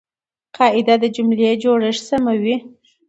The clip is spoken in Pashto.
قاعده د جملې جوړښت سموي.